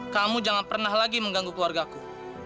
kamu jangan pernah lagi mengganggu keluarga ku